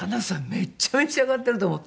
めっちゃ召し上がってると思って。